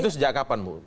itu sejak kapan bu